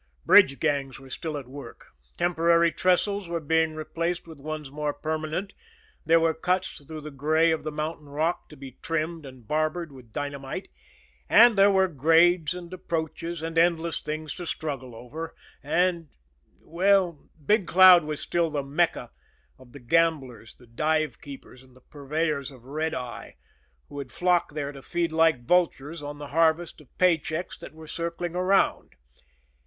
Bridge gangs were still at work; temporary trestles were being replaced with ones more permanent; there were cuts through the gray of the mountain rock to be trimmed and barbered with dynamite; and there were grades and approaches and endless things to struggle over; and well, Big Cloud was still the Mecca of the gamblers, the dive keepers, and the purveyors of "red eye," who had flocked there to feed like vultures on the harvest of pay checks that were circling around.